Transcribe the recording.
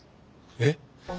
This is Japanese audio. えっ！？